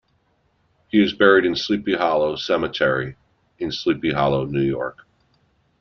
He is buried in Sleepy Hollow Cemetery in Sleepy Hollow, New York.